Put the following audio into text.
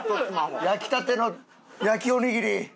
焼きたての焼きおにぎり。